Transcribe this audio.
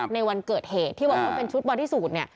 ในวันเกิดเหตุที่บอกว่าเป็นชุดบอดี้สูตรเนี่ย